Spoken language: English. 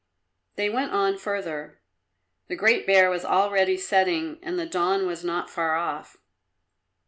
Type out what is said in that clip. They went on further. The Great Bear was already setting and the dawn was not far off.